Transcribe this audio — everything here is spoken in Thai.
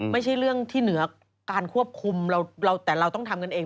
ไม่ใช่เรื่องที่เหนือการควบคุมแต่เราต้องทำกันเอง